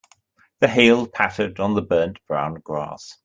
The hail pattered on the burnt brown grass.